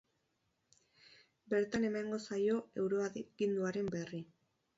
Bertan emango zaio euroaginduaren berri.